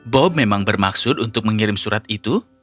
bom memang bermaksud untuk mengirim surat itu